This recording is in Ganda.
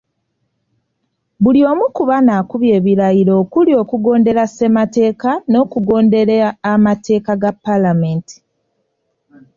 Buli omu ku bano akubye ebirayiro okuli okugondera Ssemateeka n’okugondera amateeka ga Paalamenti.